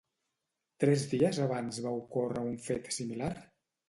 Tres dies abans va ocórrer un fet similar?